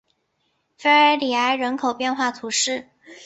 弗尔里埃人口变化图示